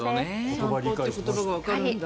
散歩っていう言葉がわかるんだ。